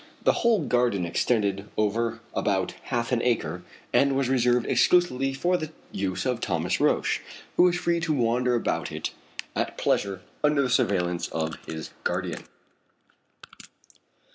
The whole garden extended over about half an acre, and was reserved exclusively for the use of Thomas Roch, who was free to wander about it at pleasure under the surveillance of his guardian.